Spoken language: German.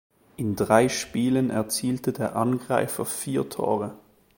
In drei Spielen erzielte der Angreifer vier Tore.